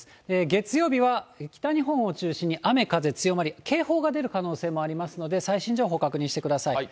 月曜日は北日本を中心に雨、風強まり、警報が出る可能性もありますので、最新情報、確認してください。